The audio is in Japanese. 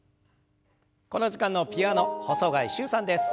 この時間のピアノ細貝柊さんです。